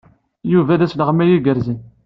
Yuba d asleɣmay igerrzen.